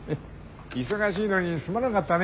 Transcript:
忙しいのにすまなかったね。